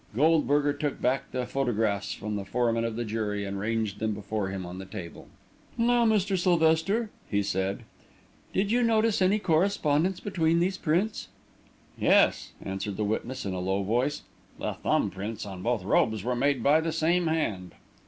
Goldberger took back the photographs from the foreman of the jury and ranged them before him on the table. "Now, Mr. Sylvester," he said, "did you notice any correspondence between these prints?" "Yes," answered the witness, in a low voice; "the thumb prints on both robes were made by the same hand."